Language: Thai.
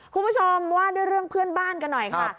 คุณผู้ชมว่าด้วยเรื่องเพื่อนบ้านกันหน่อยค่ะ